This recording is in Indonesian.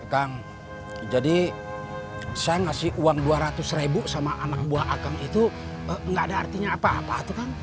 kang jadi saya ngasih uang dua ratus ribu sama anak buah akan itu nggak ada artinya apa apa itu kang